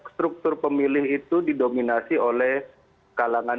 struktur pemilih itu didominasi oleh kalangan